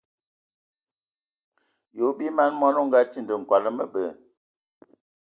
Ye o bie man mɔn, o nga tindi nkol a məbɛ.